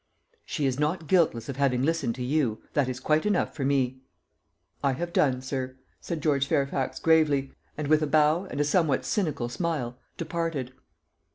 "She is not guiltless of having listened to you. That is quite enough for me." "I have done, sir," said George Fairfax gravely, and, with a bow and a somewhat cynical smile, departed.